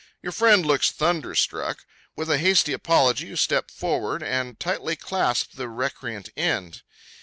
Your friend looks thunderstruck. With a hasty apology, you step forward and tightly clasp the recreant end.